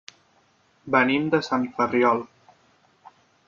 Venim de Sant Ferriol.